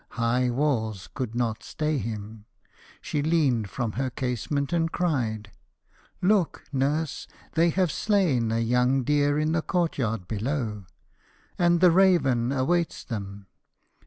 High walls could not stay him. She leaned from her casement and cried :' Look, nurse, they have slain a young deer in the courtyard below. And the raven awaits them.